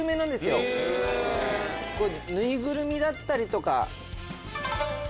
縫いぐるみだったりとか。